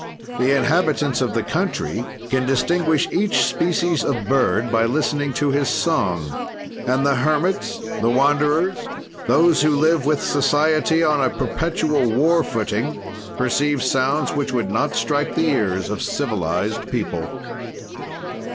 "The inhabitants of the country can distinguish each species of bird by listening to his song; and the hermits, the wanderers, those who live with society on a perpetual war footing, perceive sounds which would not strike the ears of civilized people.